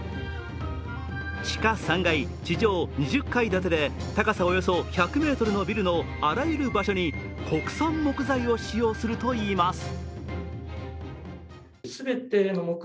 地下３階、地上２０階建てで高さおよそ１００ｍのビルのあらゆる場所に国産木材を使用するといいます。